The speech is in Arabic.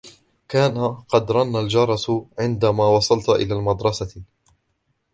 كان قد رن الجرس عندما وصلت إلى المدرسة.